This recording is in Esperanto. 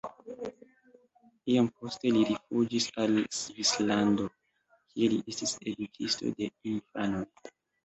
Iom poste li rifuĝis al Svislando, kie li estis edukisto de infanoj.